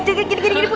jangan gini gini bu